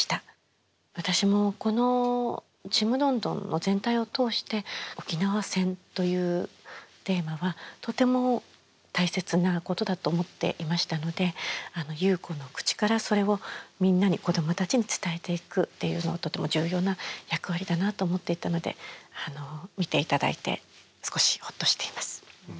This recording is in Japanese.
私もこの「ちむどんどん」の全体を通して沖縄戦というテーマはとても大切なことだと思っていましたので優子の口からそれをみんなに子供たちに伝えていくっていうのはとても重要な役割だなと思っていたので見て頂いて少しほっとしています。